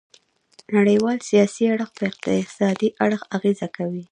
نړیوال سیاسي اړخ په اقتصادي اړخ اغیزه کوي